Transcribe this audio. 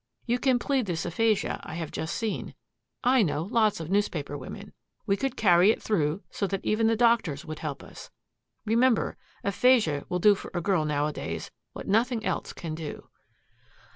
"You can plead this aphasia I have just seen. I know lots of newspaper women. We could carry it through so that even the doctors would help us. Remember, aphasia will do for a girl nowadays what nothing else can do."